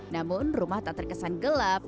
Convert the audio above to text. namun rumah tak terkesan gelap